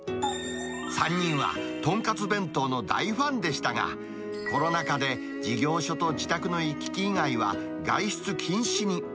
３人はとんかつ弁当の大ファンでしたが、コロナ禍で事業所と自宅の行き来以外は外出禁止に。